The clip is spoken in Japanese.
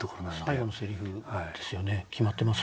最期のセリフですよね決まってますね。